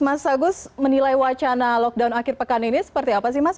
mas agus menilai wacana lockdown akhir pekan ini seperti apa sih mas